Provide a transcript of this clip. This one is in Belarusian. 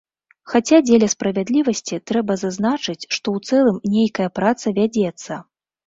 Хаця, дзеля справядлівасці, трэба зазначыць, што ў цэлым нейкая праца вядзецца.